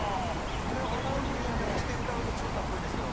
これご本人が着て歌うと超格好いいんですけど